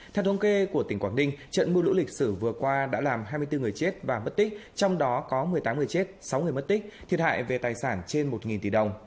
theo thống kê của tỉnh quảng ninh trận mưa lũ lịch sử vừa qua đã làm hai mươi bốn người chết và mất tích trong đó có một mươi tám người chết sáu người mất tích thiệt hại về tài sản trên một tỷ đồng